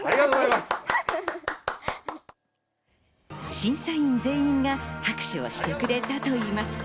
審査員全員が拍手をしてくれたといいます。